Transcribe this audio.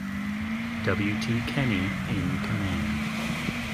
W. T. Kenny, in command.